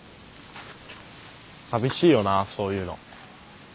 寂しいよなそういうの。